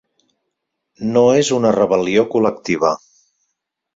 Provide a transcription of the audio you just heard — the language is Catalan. No és una rebel·lió col·lectiva